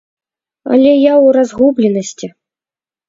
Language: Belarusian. Але я ў разгубленасці.